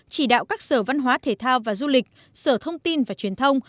chỉ đạo các sở văn hóa thể thao và du lịch sở thông tin và truyền thông